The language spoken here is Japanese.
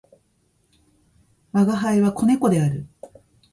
吾輩は、子猫である。